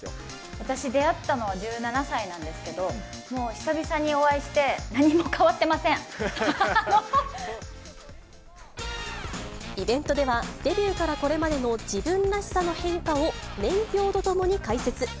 私出会ったのは１７歳なんですけど、もう久々にお会いして、イベントでは、デビューからこれまでの自分らしさの変化を年表とともに解説。